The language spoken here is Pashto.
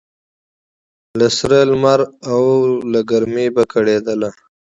له سره لمر او له ګرمۍ به کړېدله